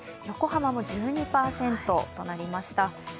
横浜も１２％となりました。